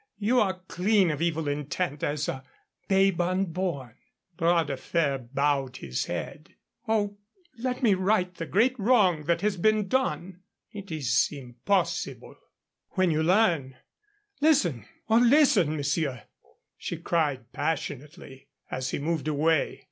You are clean of evil intent as a babe unborn." Bras de Fer bowed his head. "Oh, let me right the great wrong that has been done " "It is impossible " "When you learn Listen, oh, listen, monsieur!" she cried, passionately, as he moved away.